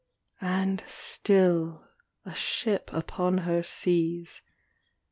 And still, a ship upon her seas.